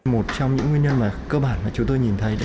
một trong những nguyên nhân cơ bản mà chúng tôi nhìn thấy